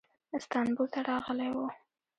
استانبول ته راغلی و.